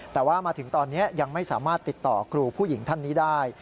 แต่ว่ามาถึงตอนนี้ยังไม่สามารถติดต่อครูผู้หญิงท่านนี้ได้